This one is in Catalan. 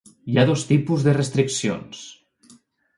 Hi ha dos tipus de restriccions: